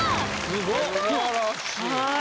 すばらしい。